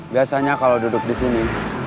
biasanya kalau duduk disini